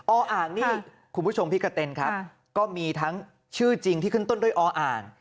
อ่างนี่คุณผู้ชมพี่กะเต็นครับก็มีทั้งชื่อจริงที่ขึ้นต้นด้วยออ่าง